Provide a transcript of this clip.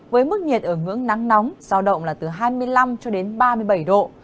với mức nhiệt ở ngưỡng nắng nóng giao động từ hai mươi năm ba mươi bảy độ